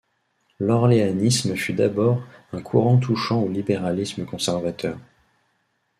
L'orléanisme fut d'abord un courant touchant au libéralisme conservateur.